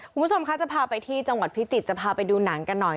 คุณผู้ชมคะจะพาไปที่จังหวัดพิจิตรจะพาไปดูหนังกันหน่อย